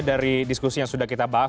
dari diskusi yang sudah kita bahas